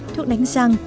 thuốc đánh răng